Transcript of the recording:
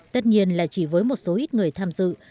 tất nhiên là chỉ với một số ít người tham dự